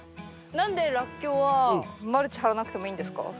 何でラッキョウはマルチ張らなくてもいいんですか？